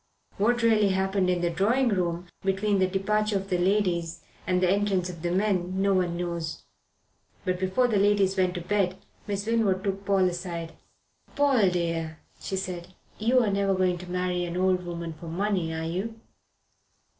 What really happened in the drawing room between the departure of the ladies and the entrance of the men no one knows. But before the ladies went to bed Miss Winwood took Paul aside. "Paul dear," she said, "you're never going to marry an old woman for money, are you?"